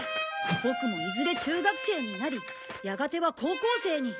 ボクもいずれ中学生になりやがては高校生に。